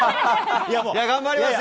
頑張りますよ。